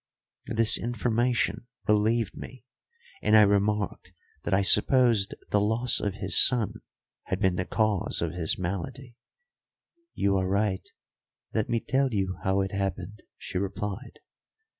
This information relieved me, and I remarked that I supposed the loss of his son had been the cause of his malady. "You are right; let me tell you how it happened," she replied.